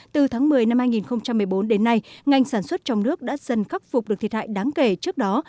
từ tháng một mươi năm hai nghìn một mươi bốn đến nay ngành sản xuất trong nước đã dần khắc phục được thiệt hại đáng kể trước đó